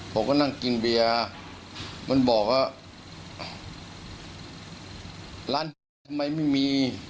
ผมก็นั่งกินเบียร์มันบอกว่าร้านเบียร์ทำไมไม่มี